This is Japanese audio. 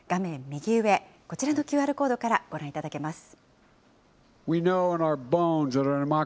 右上、こちらのＱＲコードからご覧いただけます。